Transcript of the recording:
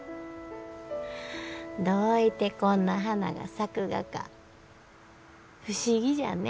どういてこんな花が咲くがか不思議じゃね。